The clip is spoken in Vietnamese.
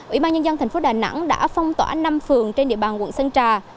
ủy ban nhân dân thành phố đà nẵng đã phong tỏa năm phường trên địa bàn quận sơn trà